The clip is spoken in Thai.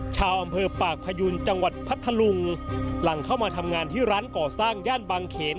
ชาวอำเภอปากพยูนจังหวัดพัทธลุงหลังเข้ามาทำงานที่ร้านก่อสร้างย่านบางเขน